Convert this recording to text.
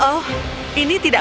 tidak tidak tidak